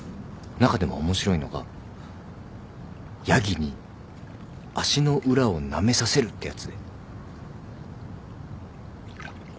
中でも面白いのがヤギに足の裏をなめさせるってやつで。